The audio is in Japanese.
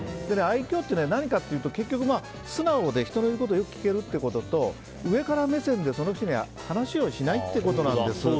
愛嬌というのは何かというと結局、素直で人の言うことをよく聞けることと上から目線で話をしないということなんです。